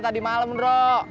tadi malah menurut